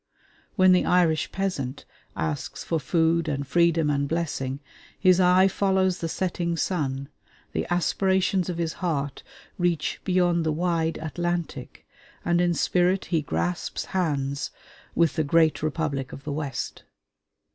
When the Irish peasant asks for food and freedom and blessing, his eye follows the setting sun, the aspirations of his heart reach beyond the wide Atlantic, and in spirit he grasps hands with the great Republic of the West.